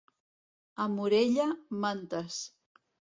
A Morella, mantes.